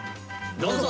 どうぞ！